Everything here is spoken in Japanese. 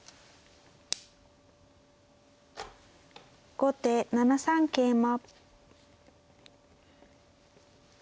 後手７三桂馬。